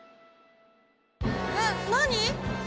えっ何？